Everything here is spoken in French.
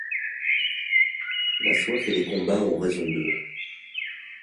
La soif et les combats ont raison d'eux.